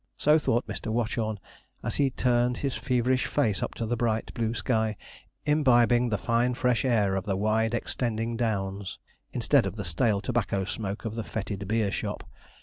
So thought Mr. Watchorn, as he turned his feverish face up to the bright, blue sky, imbibing the fine fresh air of the wide extending downs, instead of the stale tobacco smoke of the fetid beer shop.